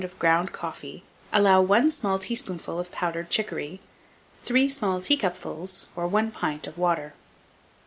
of ground coffee allow 1 small teaspoonful of powdered chicory, 3 small teacupfuls, or 1 pint, of water.